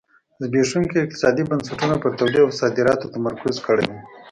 زبېښونکو اقتصادي بنسټونو پر تولید او صادراتو تمرکز کړی و.